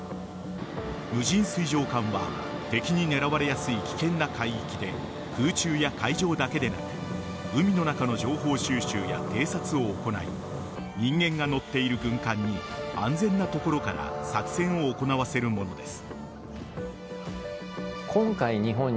無人水上艦は敵に狙われやすい危険な海域で空中や海上だけでなく海の中の情報収集や偵察を行い人間が乗っている軍艦に安全な所から作戦を行わせるものです。